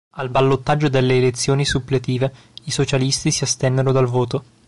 Al ballottaggio delle elezioni suppletive i socialisti si astennero dal voto.